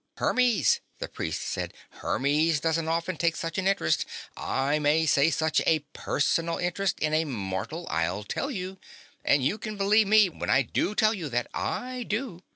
"Hermes," the priest said. "Hermes doesn't often take such an interest I may say such a personal interest in a mortal, I'll tell you. And you can believe me when I do tell you that. I do."